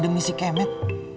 demi si kemet